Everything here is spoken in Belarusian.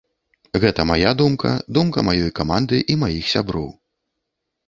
Гэта мая думка, думка маёй каманды і маіх сяброў.